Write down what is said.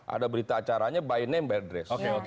ada berita acaranya by name by dress